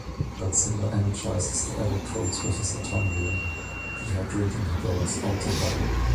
Godzilla energizes the electrodes with his atomic ray, dehydrating Hedorah's outer body.